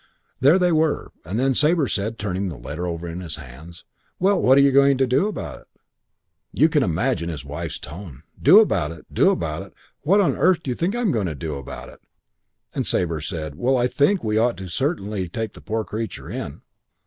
There they were; and then Sabre said, turning the letter over in his hands, 'Well, what are you going to do about it?' "You can imagine his wife's tone. 'Do about it! Do about it! What on earth do you think I'm going to do about it?' "And Sabre said, 'Well, I think we ought certainly to take the poor creature in.'